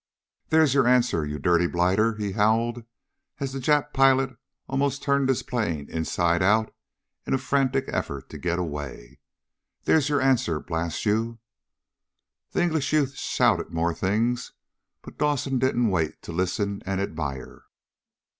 "There's your answer, you dirty blighter!" he howled as the Jap pilot almost turned his plane inside out in a frantic effort to get away. "There's your answer, blast you!" The English youth shouted more things, but Dawson didn't wait to listen and admire.